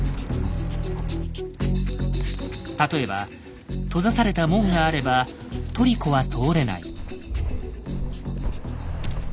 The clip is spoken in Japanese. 例えば閉ざされた門があればトリコは通れない。